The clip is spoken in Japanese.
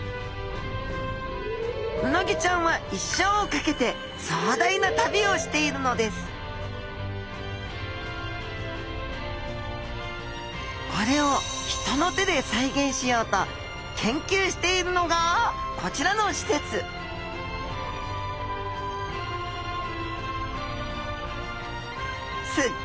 うなぎちゃんは一生をかけて壮大な旅をしているのですこれを人の手で再現しようと研究しているのがこちらの施設すっ